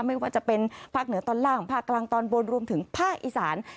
ไม่ว่าจะเป็นภาคเหนือตอนล่างภาคกลางตอนบนรวมถึงภาคอีสาน